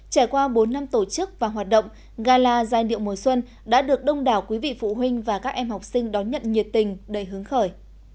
trải qua bốn năm tổ chức và hoạt động gala giai điệu mùa xuân đã được đông đảo quý vị phụ huynh và các em học sinh đón nhận nhiệt tình đầy hướng khởi